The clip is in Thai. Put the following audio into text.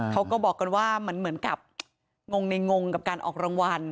เขาก็บอกกันว่าเหมือนกับงงในงงกับการออกรางวัล